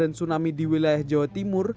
dan tsunami di wilayah jawa timur